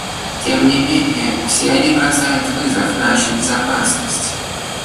Тем не менее, все они бросают вызов нашей безопасности.